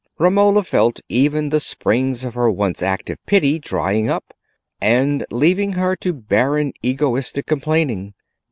Romola felt even the springs of her once active pity drying up, and leaving her to barren egoistic complaining.